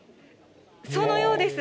そのようです。